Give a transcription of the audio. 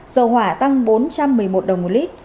dầu hỏa tăng bốn trăm một mươi một đồng một lít